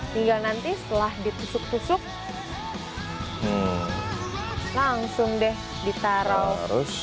tinggal nanti setelah ditusuk tusuk langsung deh ditaruh